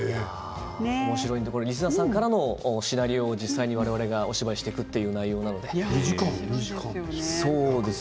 おもしろいのでリスナーさんからのシナリオを我々が実際にお芝居していくという内容です。